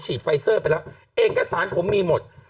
ไฟเซอร์ไปแล้วเอกสารผมมีหมด